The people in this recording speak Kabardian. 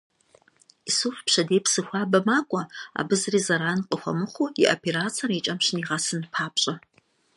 Исуф пщэдей Псыхуабэ макӏуэ, абы зыри зэран къыхуэмыхъуу, и оперэр икӏэм щынигъэсын папщӏэ.